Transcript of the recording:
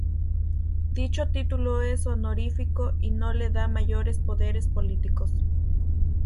Dicho título es honorífico y no le da mayores poderes políticos.